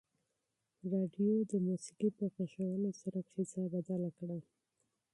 راډیو د موسیقۍ په غږولو سره فضا بدله کړه.